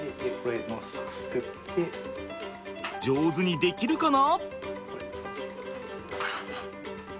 上手にできるかな？